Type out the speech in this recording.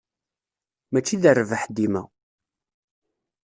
Mačči d rrbeḥ dima.